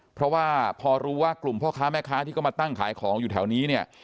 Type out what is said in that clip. เพราะว่าพอรู้ว่ากลุ่มพ่อค้าแม่ค้าที่ก็มาตั้งขายของอยู่แถวนี้เนี่ย